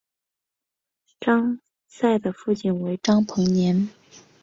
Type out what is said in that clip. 张謇的父亲为张彭年。